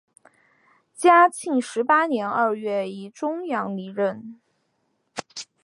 嘉庆十八年二月以终养离任。